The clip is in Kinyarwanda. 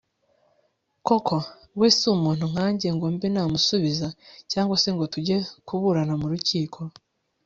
koko, we si umuntu nkanjye ngo mbe namusubiza, cyangwa se ngo tujye kuburana mu rukiko